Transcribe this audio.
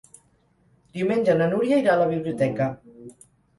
Diumenge na Núria irà a la biblioteca.